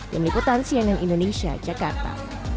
tim liputan cnn indonesia jakarta